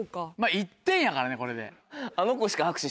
１点やからねこれで。